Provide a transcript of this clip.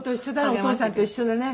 お父さんと一緒だね。